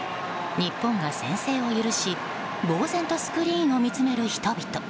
日本が先制を許し呆然とスクリーンを見つめる人々。